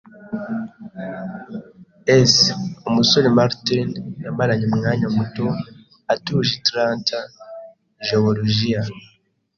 [S] Umusore Martin yamaranye umwana muto atuje i Atlanta, Jeworujiya.